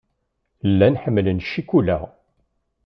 Llan ḥemmlen ccikula.